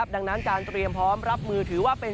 ดังนั้นการเตรียมพร้อมรับมือถือว่าเป็น